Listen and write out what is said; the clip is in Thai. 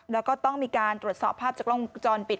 แล้วก็ต้องมีการตรวจสอบภาพจากกล้องวงจรปิด